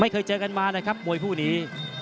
เคยเจอกันมานะครับมวยคู่นี้